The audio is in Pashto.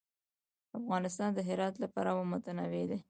افغانستان د هرات له پلوه متنوع دی.